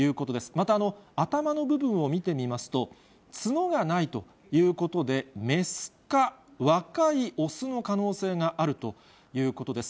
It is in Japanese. また、頭の部分を見てみますと、角がないということで、雌か、若い雄の可能性があるということです。